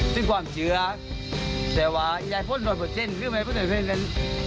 ซึ่งความเชื่อแต่ว่าไอฟนโดยเผิดเจนคือแม้พวกเติมเฟรนด์กัน